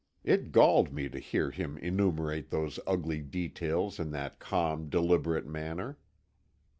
It galled me to hear him enumerate those ugly details in that calm, deliberate manner.